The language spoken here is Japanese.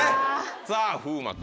さぁ風磨君。